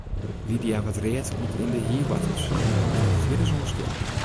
Lydia waard read oant yn de hierwoartels en hold har fierdersoan stil.